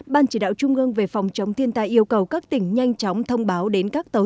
ban chỉ đạo trung ương về phòng chống thiên tai yêu cầu các tỉnh nhanh chóng thông báo đến các tàu